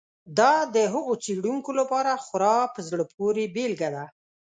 دا د هغو څېړونکو لپاره خورا په زړه پورې بېلګه ده.